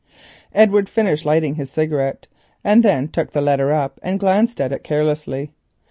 Edward finished lighting his cigarette, then took the letter up and glanced at it carelessly.